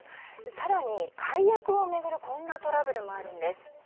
更に解約を巡るこんなトラブルもあるんです。